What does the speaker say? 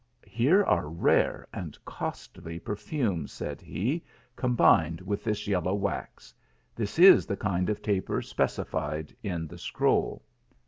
" Here are rare and costly perfumes," said he, " combined with this yellow wax. This is the kind of taper specified in the scroll.